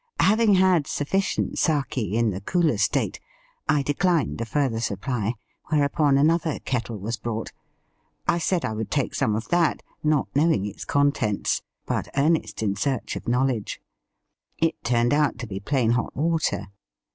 Having had sufficient sake in the cooler state, I declined a further supply, whereupon another kettle was brought. I said I would take some of that, not knowing its contents, but earnest in search of knowledge. It turned out to be plain hot water.